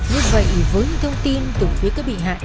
như vậy với những thông tin từ phía các bị hại